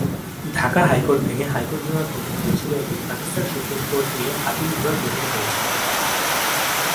Dhaka high court ভেঙে high court বিভাগ গঠিত হয়েছিল এবং পাকিস্তান সুপ্রিম কোর্ট নিয়ে আপীল বিভাগ গঠিত হয়েছিল।